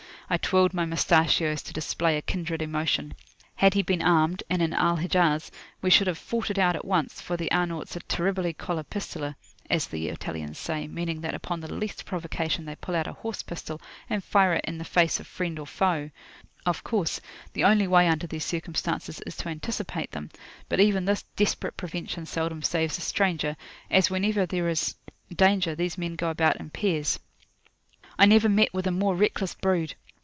I twirled my moustachios to display a kindred emotion. Had he been armed, and in Al Hijaz, [p.133]we should have fought it out at once, for the Arnauts are "terribili colla pistola," as the Italians say, meaning that upon the least provocation they pull out a horse pistol, and fire it in the face of friend or foe. Of course, the only way under these circumstances is to anticipate them; but even this desperate prevention seldom saves a stranger, as whenever there is danger, these men go about in pairs. I never met with a more reckless brood.